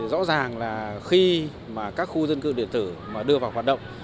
rõ ràng là khi các khu dân cư điện tử đưa vào hoạt động